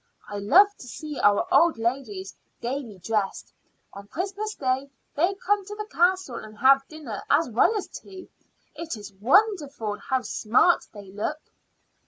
I love to see our old ladies gaily dressed. On Christmas Day they come to the castle and have dinner as well as tea. It is wonderful how smart they look."